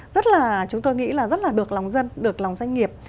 rất là chúng tôi nghĩ là rất là được lòng dân được lòng doanh nghiệp